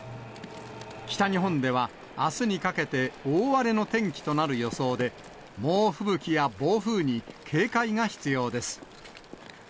北日本では、あすにかけて大荒れの天気となる予想で、猛吹雪や暴風に警戒が必要です。